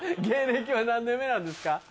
芸歴は何年目なんですか？